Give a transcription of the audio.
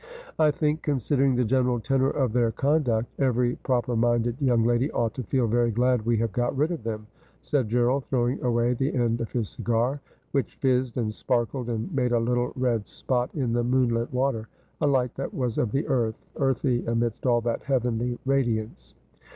' I think, considering the general tenor of their conduct, every proper minded young lady ought to feel very glad we have got rid of them,' said Gerald, throwing away the end of his cigar, which fizzed and sparkled and made a little red spot in the moonlit water, a light that was of the earth earthy amidst all that heavenly radiance.